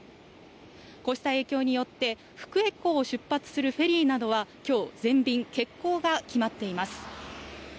こうした影響によって福江港を出発するフェリーなどは、きょう全便、欠航が決まっています。